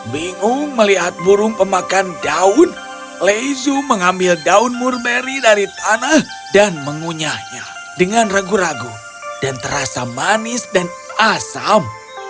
bingung melihat burung pemakan daun lezu mengambil daun murberi dari tanah dan mengunyahnya dengan ragu ragu dan terasa manis dan asam